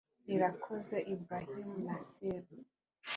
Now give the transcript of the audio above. Irakoze Ibrahim Nasser